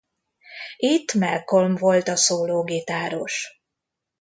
Itt Malcolm volt a szólógitáros.